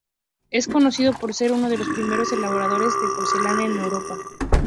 Es conocido por ser uno de los primeros elaboradores de porcelana en Europa.